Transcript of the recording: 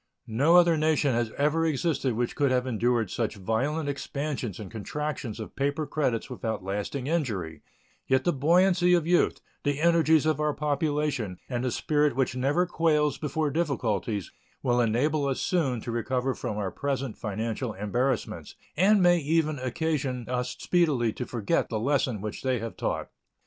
No other nation has ever existed which could have endured such violent expansions and contractions of paper credits without lasting injury; yet the buoyancy of youth, the energies of our population, and the spirit which never quails before difficulties will enable us soon to recover from our present financial embarrassments, and may even occasion us speedily to forget the lesson which they have taught.